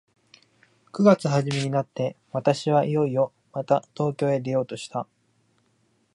九月始めになって、私はいよいよまた東京へ出ようとした。